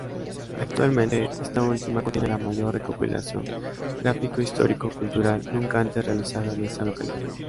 Actualmente, esta última, contiene la mayor recopilación gráfico-histórico-cultural nunca antes realizada en esta localidad.